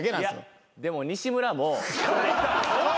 いやでも西村も。